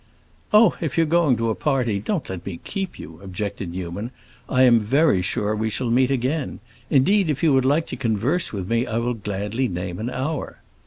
"Oh, if you are going to a party, don't let me keep you," objected Newman. "I am very sure we shall meet again. Indeed, if you would like to converse with me I will gladly name an hour."